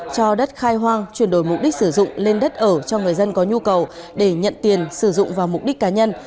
cho đất khai hoang chuyển đổi mục đích sử dụng lên đất ở cho người dân có nhu cầu để nhận tiền sử dụng vào mục đích cá nhân